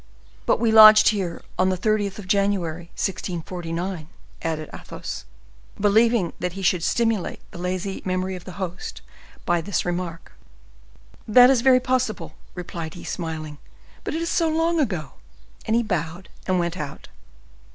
"But we lodged here on the 30th of January, 1649," added Athos, believing he should stimulate the lazy memory of the host by this remark. "That is very possible," replied he, smiling; "but it is so long ago!" and he bowed, and went out.